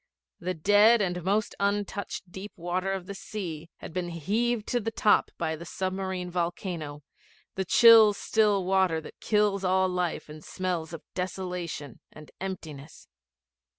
The dead and most untouched deep water of the sea had been heaved to the top by the submarine volcano the chill still water that kills all life and smells of desolation and emptiness.